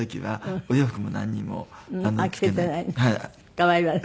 可愛いわね。